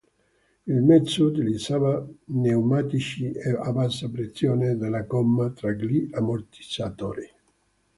Il mezzo utilizzava pneumatici a bassa pressione e della gomma tra gli ammortizzatori.